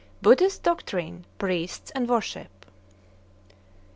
BUDDHIST DOCTRINE, PRIESTS, AND WORSHIP.